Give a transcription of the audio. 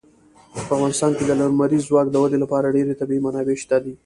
په افغانستان کې د لمریز ځواک د ودې لپاره ډېرې طبیعي منابع شته دي.